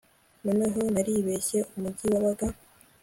Noneho naribeshye umujyi wabaga